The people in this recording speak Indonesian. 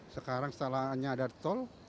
sekarang setelah hanya ada tol